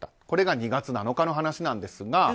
これが２月７日の話なんですが。